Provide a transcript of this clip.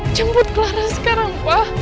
jemput clara sekarang pa